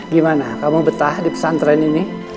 gimana kamu betah di pesantren ini